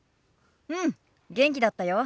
うん元気だったよ。